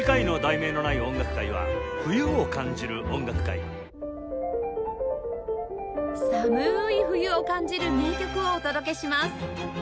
寒い冬を感じる名曲をお届けします